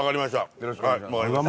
よろしくお願いします